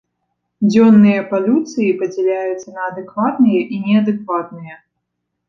Дзённыя палюцыі падзяляюцца на адэкватныя і неадэкватныя.